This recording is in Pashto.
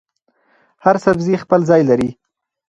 هر سبزي خپل ځای لري.